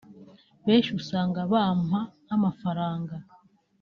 kenshi usanga bampa nk’amafranga